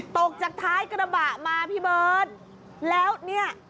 ตกจากท้ายกระบะมาพี่เบิร์ตแล้วเนี่ย